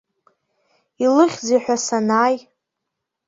Илыхьзеи ҳәа санааи.